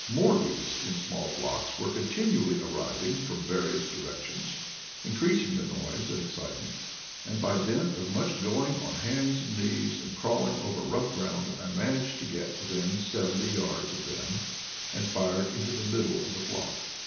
More geese in small flocks were con tinually arriving from various directions, increas ing the noise and excitement; and by dint pf much going on hands and knees and crawling over rough ground, I managed to get within seventy yards of them and fired into the middle of the flock.